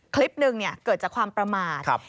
คลิปหนึ่งเนี่ยเกิดจากความประมาทครับ